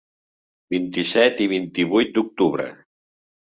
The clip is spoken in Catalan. Vint-i-set i vint-i-vuit d’octubre.